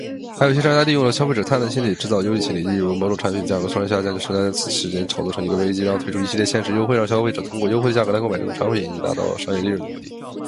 还有一些商家利用了消费者贪婪心理，制造忧虑心理。例如，某种商品的价格突然下降，商家将此事件炒作成一个危机，然后推出一系列限时优惠，让消费者通过优惠价格来购买这种商品，以达到商业利润的目的。